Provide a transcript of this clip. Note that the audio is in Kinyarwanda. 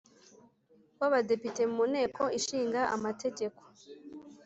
w Abadepite mu Nteko Ishinga Amategeko.